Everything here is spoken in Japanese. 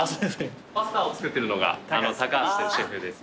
パスタを作ってるのが高橋というシェフです。